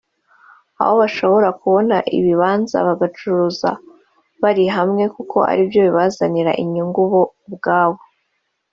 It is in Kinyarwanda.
aho bashobora kubona ibibanza bagacuruza bari hamwe kuko ari byo bibazanira inyungu bo ubwabo